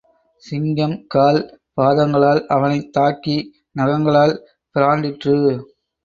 சிங்கம் கால் பாதங்களால் அவனைத் தாக்கி நகங்களால், பிறாண்டிற்று.